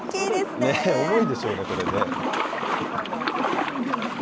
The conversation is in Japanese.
重いでしょうね、これね。